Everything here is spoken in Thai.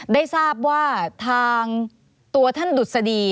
ได้ทราบว่าทางตัวท่านดุษฎี